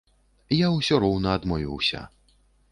Я ўсё роўна адмовіўся.